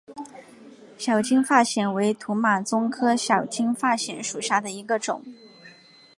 小金发藓为土马鬃科小金发藓属下的一个种。